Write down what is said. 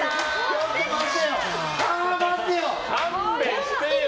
ちょっと待ってよ！